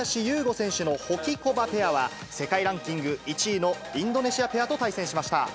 選手のホキコバペアは、世界ランキング１位のインドネシアペアと対戦しました。